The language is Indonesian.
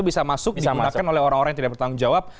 bisa masuk digunakan oleh orang orang yang tidak bertanggung jawab